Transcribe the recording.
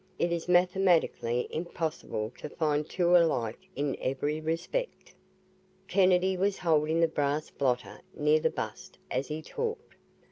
It is mathematically impossible to find two alike in every respect." Kennedy was holding the brass blotter near the bust as he talked.